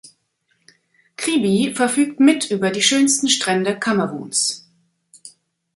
Kribi verfügt mit über die schönsten Strände Kameruns.